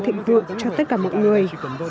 thịnh vụ cho tất cả mọi người